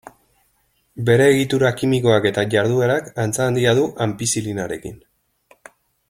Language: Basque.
Bere egitura kimikoak eta jarduerak antza handia du anpizilinarekin.